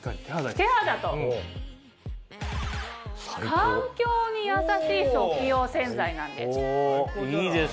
手肌と環境にやさしい食器用洗剤なんです。